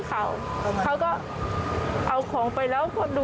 เขาว่า